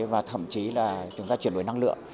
và thậm chí là chúng ta chuyển đổi năng lượng